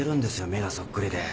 目がそっくりで。